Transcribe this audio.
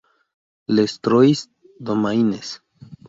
Les Trois-Domaines